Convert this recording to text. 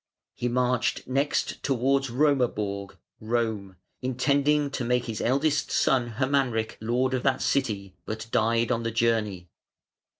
He marched next toward "Romaborg" (Rome) intending to make his eldest son, Hermanric, lord of that city, but died on the journey.